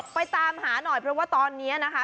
ไปตามหาหน่อยเพราะว่าตอนนี้นะคะ